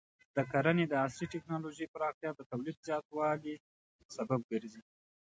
د کرنې د عصري ټکنالوژۍ پراختیا د تولید زیاتوالي سبب ګرځي.